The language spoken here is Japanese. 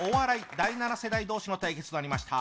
第７世代同士の対決となりました。